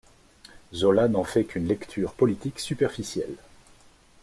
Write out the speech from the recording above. Zola n'en fait qu'une lecture politique superficielle.